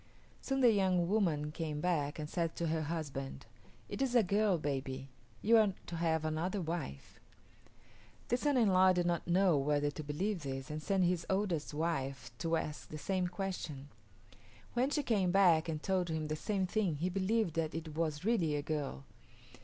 Soon the young woman came back and said to her husband, "It is a girl baby. You are to have another wife." The son in law did not know whether to believe this, and sent his oldest wife to ask the same question. When she came back and told him the same thing he believed that it was really a girl.